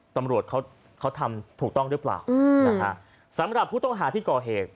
ตำรวจเขาเขาทำถูกต้องหรือเปล่านะฮะสำหรับผู้ต้องหาที่ก่อเหตุ